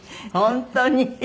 本当に？